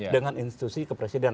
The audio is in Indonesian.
dengan institusi kepresidenan